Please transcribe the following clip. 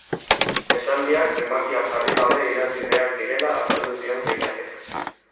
Esaldiak zenbakia jarri gabe idatzi behar zirela azaldu zidan Beñatek.